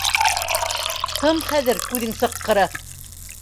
Тым хәҙер, күҙең сыҡҡыры!